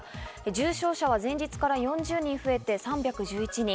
重症者は前日から４０人増えて３１１人。